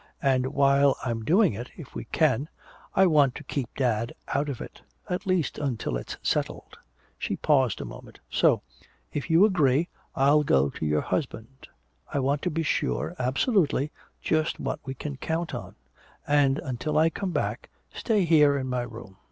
And while I'm doing it, if we can, I want to keep dad out of it at least until it's settled." She paused a moment. "So if you agree, I'll go to your husband. I want to be sure, absolutely, just what we can count on. And until I come back, stay here in my room.